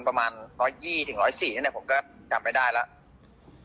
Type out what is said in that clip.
ประมาณ๑๒๐ถึง๑๔๐หนิผมก็ทำไว้ได้แล้ว